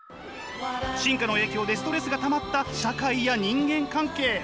進化の影響でストレスがたまった社会や人間関係。